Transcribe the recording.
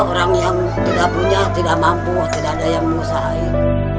orang yang tidak punya tidak mampu tidak ada yang mengusahain